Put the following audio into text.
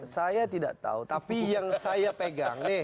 saya tidak tahu tapi yang saya pegang nih